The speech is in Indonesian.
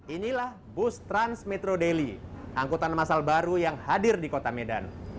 inilah bus transmetro daily angkutan masal baru yang hadir di kota medan